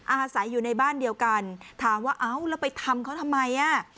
อาศัยอยู่ในบ้านเดียวกันถามว่าเอ้าแล้วไปทำเขาทำไมอ่ะ